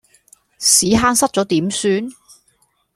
屎坑塞左點算？